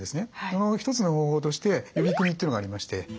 その一つの方法として指組みというのがありまして。